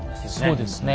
そうですね。